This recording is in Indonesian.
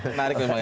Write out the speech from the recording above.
menarik memang ya